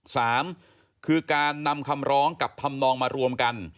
สามคือการนำคำร้องกับธรรมนองมารวมกัน